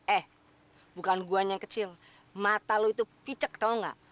eh bukan gua yang kecil mata lu itu picek tau ga